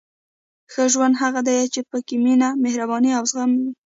• ښه ژوند هغه دی چې پکې مینه، مهرباني او زغم وي.